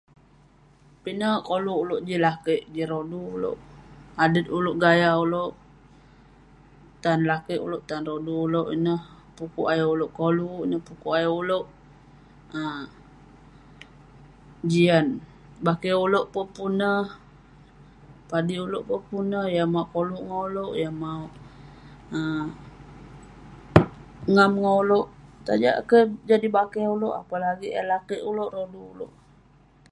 Pinek koluk ulouk jin lakeik jin rodu ulouk. Adet ulouk, gaya ulouk tan lakeik ulouk, tan rodu ulouk. Ineh pukuk ayuk ulouk koluk, ineh pukuk ayuk ulouk um jian. Bakeh ulouk peh pun neh, padik ulouk peh pun neh, yah maok koluk ngan ulouk, maok um ngam ngan ulouk, tajak kek jadi bakeh. Apalagik eh lakeik ulouk, rodu ulouk.